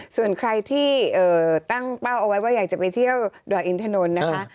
ส่วนใครที่ตั้งเป้าเอาไว้ว่าอยากจะไปเที่ยวดอยอินทนนท์นะคะ